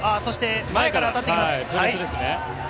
前から当たっていきます。